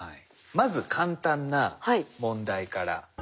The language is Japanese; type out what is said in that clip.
まず簡単な問題から。